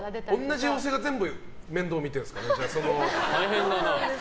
同じ妖精が全部面倒見てるんですか。